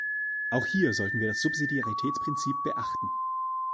Auch hier sollten wir das Subsidiaritätsprinzip beachten.